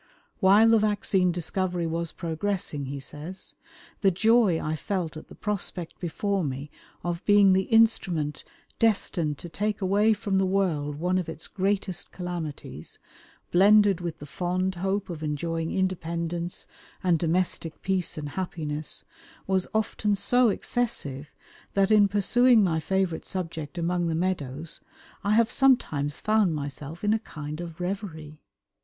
"While the vaccine discovery was progressing," he says, "the joy I felt at the prospect before me of being the instrument destined to take away from the world one of its greatest calamities, blended with the fond hope of enjoying independence and domestic peace and happiness, was often so excessive that in pursuing my favourite subject among the meadows I have sometimes found myself in a kind of reverie.